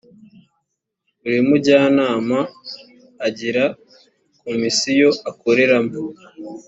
buri mujyanama agira komisiyo akoreramo.